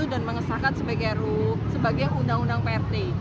dan mengesahkan sebagai ruu sebagai undang undang prt